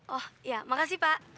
oh iya makasih pak